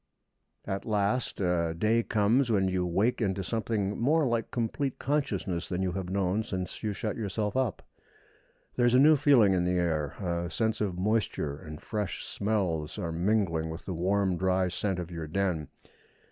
At last a day comes when you wake into something more like complete consciousness than you have known since you shut yourself up. There is a new feeling in the air; a sense of moisture and fresh smells are mingling with the warm dry scent of your den.